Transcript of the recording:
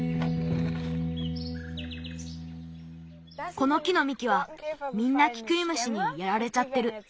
この木のみきはみんなキクイムシにやられちゃってる。